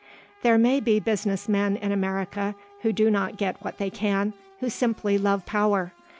There may be business men in America who do not get what they can, who simply love power.